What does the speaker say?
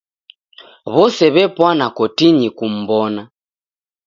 W'ose w'epwana kotinyi kum'bona.